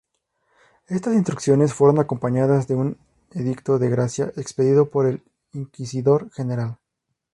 Estas instrucciones fueron acompañadas de un edicto de gracia expedido por el inquisidor general.